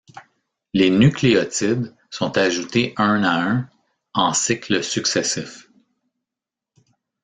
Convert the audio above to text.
Les nucléotides sont ajoutés un à un, en cycles successifs.